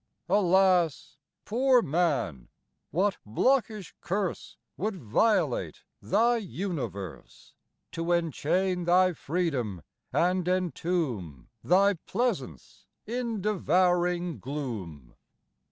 Alas! poor man, what blockish curse Would violate thy universe, To enchain thy freedom and entomb Thy pleasance in devouring gloom?